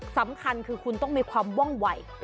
สำคัญคือคุณต้องมีความว่องไหว